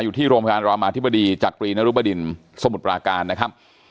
อยู่ที่โรงพยาบาลรามาธิบดีจักรีนรุบดินสมุทรปราการนะครับ